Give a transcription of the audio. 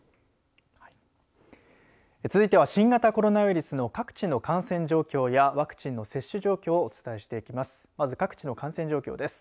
続いては新型コロナウイルスの各地の感染状況やワクチンの接種状況をお伝えしていきます。